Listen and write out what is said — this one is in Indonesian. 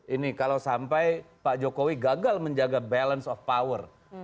ini kalau sampai pak jokowi gagal menjaga balance of power